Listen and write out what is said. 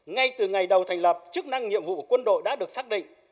ngay từ ngày đầu thành lập chức năng nhiệm vụ của quân đội đã được xác định